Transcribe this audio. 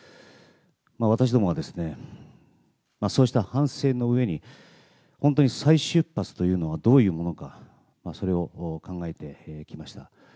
私どもはですね、そうした反省のうえに、本当に再出発というのはどういうものか、それを考えてきました。